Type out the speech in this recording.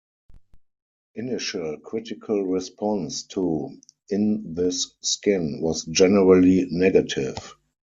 Initial critical response to "In This Skin" was generally negative.